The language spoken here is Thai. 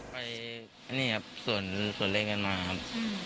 ไปอันนี้ครับส่วนเล่นกันมาครับ